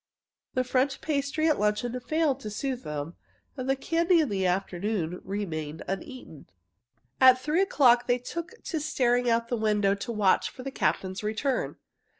The French pastry at luncheon failed to soothe them, and the candy in the afternoon remained uneaten. At three o'clock they took to staring out of the window to watch for the captain's return.